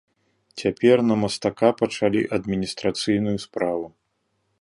Цяпер на мастака пачалі адміністрацыйную справу.